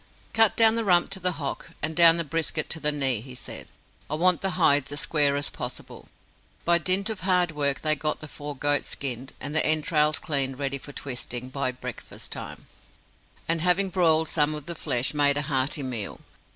"Cut down the rump to the hock, and down the brisket to the knee," he said. "I want the hides as square as possible." By dint of hard work they got the four goats skinned, and the entrails cleaned ready for twisting, by breakfast time; and having broiled some of the flesh, made a hearty meal.